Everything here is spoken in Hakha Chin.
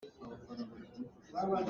Ram hring lakah a ka bawhter.